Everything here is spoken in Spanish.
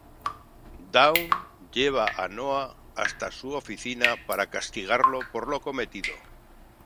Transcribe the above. Dawn lleva a Noah hasta su oficina para castigarlo por lo cometido.